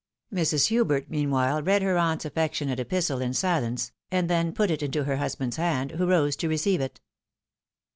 Mrs. Hubert meanwhile read her aunt's affectionate epistle in sUence, and then put it into her husband's hand, who rose to receive it.